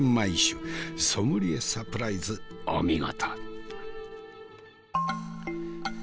ソムリエサプライズお見事。